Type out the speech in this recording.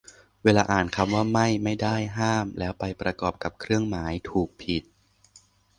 เวลาอ่านคำว่า "ไม่" "ไม่ได้" "ห้าม" แล้วไปประกอบกับเครื่องหมาย ถูก ผิด